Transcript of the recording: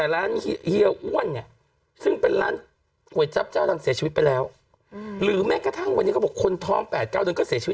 ร้านเฮียอ้วนเนี่ยซึ่งเป็นร้านก๋วยจั๊บเจ้าดังเสียชีวิตไปแล้วหรือแม้กระทั่งวันนี้เขาบอกคนท้อง๘๙เดือนก็เสียชีวิต